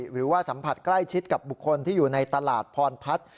หรือว่าสัมผัสใกล้ชิดกับบุคคลที่อยู่ในตลาดพรพัฒน์